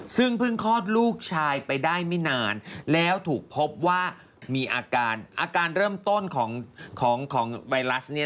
ซึ่งเพิ่งคลอดลูกชายไปได้ไม่นานแล้วถูกพบว่ามีอาการอาการเริ่มต้นของไวรัสเนี่ย